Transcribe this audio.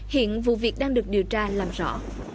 hiện vụ việc đang được điều tra làm rõ